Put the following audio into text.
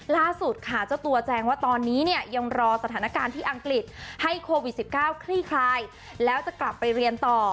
ล่าสุดค่ะเจ้าตัวแจงว่าตอนนี้เนี่ยยังรอสถานการณ์ที่อังกฤษให้โควิด๑๙คลี่คลายแล้วจะกลับไปเรียนต่อ